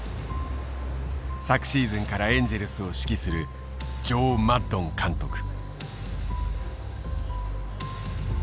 昨シーズンからエンジェルスを指揮するジョー・マッドン監督。